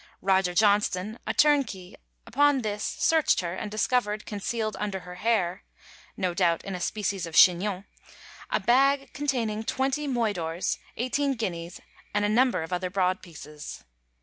Roger Johnston, a turnkey, upon this searched her, and discovered "concealed under her hair," no doubt in a species of a chignon, "a bag containing twenty moidores, eighteen guineas, and a number of other broad pieces."